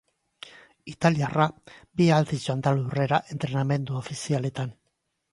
Italiarra bi aldiz joan da lurrera entrenamendu ofizialetan.